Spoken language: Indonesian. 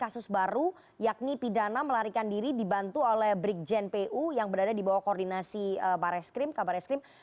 tapi kasus baru yakni pidana melarikan diri dibantu oleh brikjen pu yang berada di bawah koordinasi pak reskrim